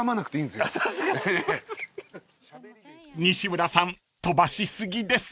［西村さん飛ばし過ぎです］